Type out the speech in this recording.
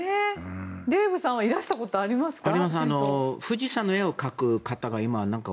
デーブさんはいらしたことありますか？